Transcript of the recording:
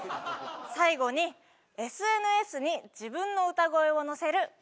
最後にＳＮＳに自分の歌声をのせる